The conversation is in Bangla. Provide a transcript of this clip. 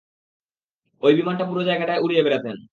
ওই বিমানটা পুরো জায়গাটায় উড়িয়ে বেড়াতেন।